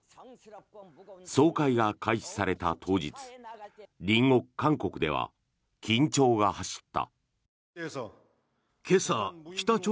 総会が開始された当日隣国、韓国では緊張が走った。